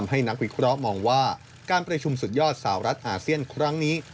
นักวิเคราะห์มองว่าการประชุมสุดยอดสาวรัฐอาเซียนครั้งนี้